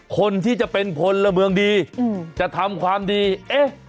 คนที่จะเป็นพลเมืองดีอืมจะทำความดีเอ๊ะ